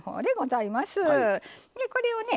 これをね